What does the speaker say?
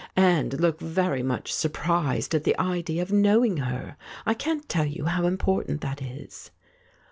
— and look very much surprised at the idea of knowing her. I can't tell you how important that is."